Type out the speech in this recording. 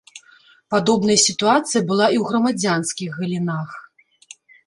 Падобная сітуацыя была і ў грамадзянскіх галінах.